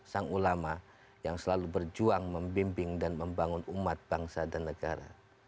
sang ulama yang selalu berjuang membimbing dan membangun umat bangsa dan negara